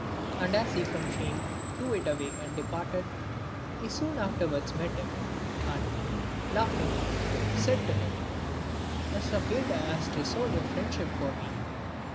And as he from shame threw it away and departed, he soon afterwards met him and, laughing, said to him, " A saperda has dissolved your friendship for me."